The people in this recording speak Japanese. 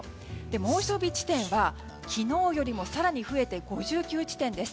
猛暑日地点は昨日よりも更に増えて５９地点です。